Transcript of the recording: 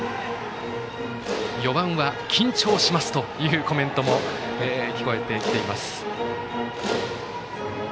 ４番は緊張しますというコメントも聞こえてきています。